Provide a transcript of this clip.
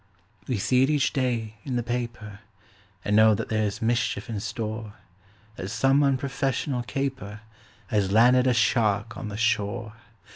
We see it each day in the paper, And know that there's mischief in store; That some unprofessional caper Has landed a shark on the shore.